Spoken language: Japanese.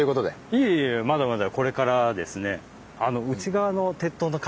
いえいえまだまだこれからですね。